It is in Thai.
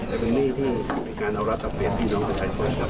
แต่เป็นหนี้ที่เป็นการเอารัฐเอาเปรียบพี่น้องประชาชนครับ